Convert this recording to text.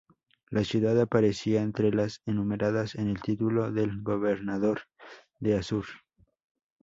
La ciudad aparecía entre las enumeradas en el título del gobernador de Assur.